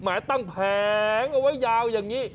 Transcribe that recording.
ตั้งแผงเอาไว้ยาวอย่างนี้